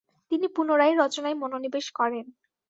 তিনি পুনরায় রচনায় মনোনিবেশ করেন।